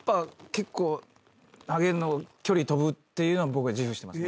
結構投げるの距離飛ぶっていうのは僕は自負してます。